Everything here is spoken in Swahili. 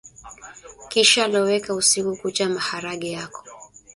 Kisha loweka usiku kucha maharage yako